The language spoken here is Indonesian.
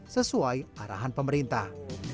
sesuai arahan pemerintah